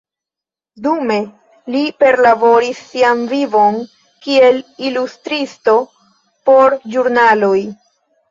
Dume li perlaboris sian vivon kiel ilustristo por ĵurnaloj.